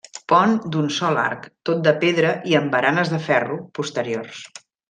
Pont d'un sol arc, tot de pedra i amb baranes de ferro, posteriors.